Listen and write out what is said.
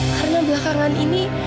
karena belakangan ini